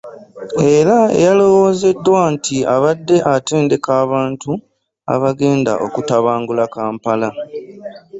Era eyalowoozeddwa nti abadde atendeka abantu abagenda okutabangula Kampala.